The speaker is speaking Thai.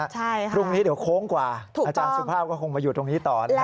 ใช่ค่ะพรุ่งนี้เดี๋ยวโค้งกว่าอาจารย์สุภาพก็คงมาอยู่ตรงนี้ต่อนะครับ